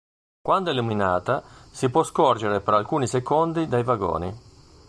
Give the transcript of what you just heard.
Quando è illuminata, si può scorgere per alcuni secondi dai vagoni.